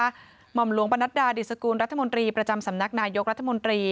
หม่อมหลวงปนัดดาดิสกุลรัฐมนตรีประจำสำนักนายกรัฐมนตรี